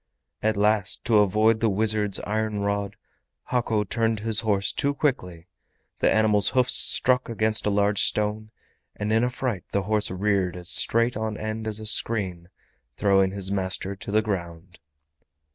At last, to avoid the wizard's iron rod, Hako turned his horse too quickly; the animal's hoofs struck against a large stone, and in a fright the horse reared as straight on end as a screen, throwing his master to the ground.